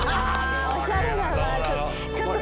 おしゃれだなちょっと